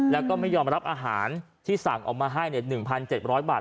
แล้วก็ไม่ยอมรับอาหารที่สั่งออกมาให้๑๗๐๐บาท